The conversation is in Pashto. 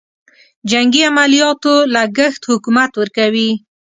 جنګي عملیاتو لګښت حکومت ورکوي.